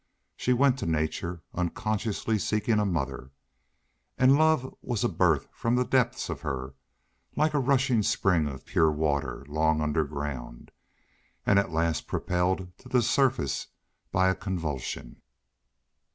She went to nature, unconsciously seeking a mother. And love was a birth from the depths of her, like a rushing spring of pure water, long underground, and at last propelled to the surface by a convulsion.